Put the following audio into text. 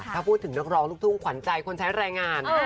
ถ้าพูดถึงนักร้องลูกทุ่งขวัญใจคนใช้แรงงาน